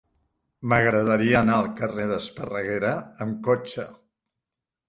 M'agradaria anar al carrer d'Esparreguera amb cotxe.